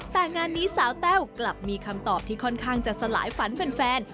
แต่งานนี้สาวแต้วกลับมีคำตอบที่ค่อนข้างจะสลายฝันแฟน